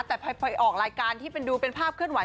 แต่พอให้ออกรายการที่ดูเป็นภาพเคลื่อนไหว